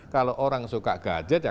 kalau orang suka gadget ya